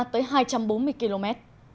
tới hai trăm bốn mươi km